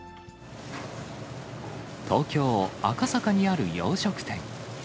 東京・赤坂にある洋食店。